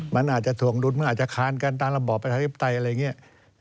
มันอาจจะถวงรุดมันอาจจะค้านกันตามระบอปไทย